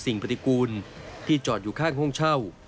ปฏิกูลที่จอดอยู่ข้างห้องเช่า